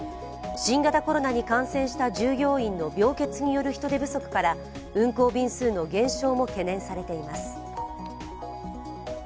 新型コロナに感染した従業員の病欠による人手不足から運航便数の減少も懸念されています。